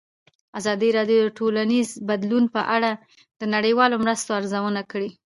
ازادي راډیو د ټولنیز بدلون په اړه د نړیوالو مرستو ارزونه کړې.